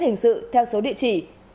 hình sự theo số địa chỉ